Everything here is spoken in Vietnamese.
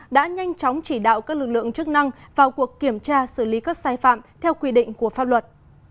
đã nhanh chóng chỉ đạo các lực lượng chức năng vào cuộc kiểm tra xử lý các sai phạm theo quy định của pháp luật